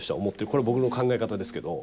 これ僕の考え方ですけど。